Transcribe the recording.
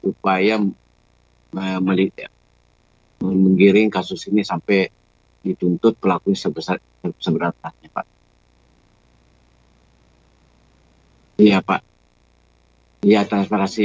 supaya memperbaiki kemampuan yang diberikan oleh masyarakat